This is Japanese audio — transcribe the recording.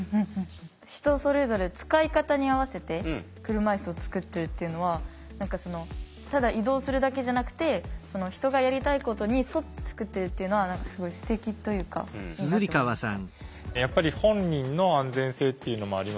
人それぞれ使い方に合わせて車いすを作ってるっていうのはただ移動するだけじゃなくて人がやりたいことに沿って作ってるっていうのはすごいすてきというかいいなって思いました。